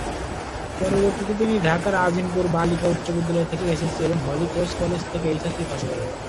পরবর্তীতে তিনি ঢাকার আজিমপুর বালিকা উচ্চবিদ্যালয় থেকে এসএসসি এবং হলিক্রস কলেজ থেকে এইচএসসি পাশ করেন।